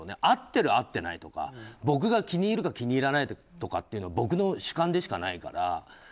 合ってる合ってないとか僕が気に入るか気に入らないとか僕の主観でしかないから。